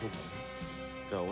じゃあ俺。